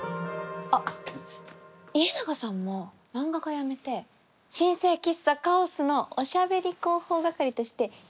あっ家長さんも漫画家やめて新生喫茶カオスのおしゃべり広報係として一緒に働きませんか？